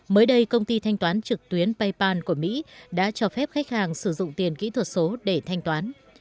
mới đây công ty thanh toán trực tuyến paypal của mỹ đã cho phép khách hàng sử dụng tiền kỹ thuật số để thanh toán